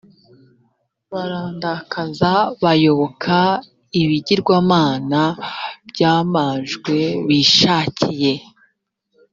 barandakaza bayoboka ibigirwamana by’amanjwe bishakiye.